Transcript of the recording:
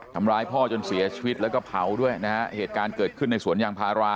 ทำร้ายพ่อจนเสียชีวิตแล้วก็เผาด้วยนะฮะเหตุการณ์เกิดขึ้นในสวนยางพารา